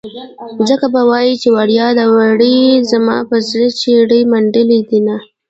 خلک به وايي چې وړه ده وړې زما په زړه چړې منډلې دينه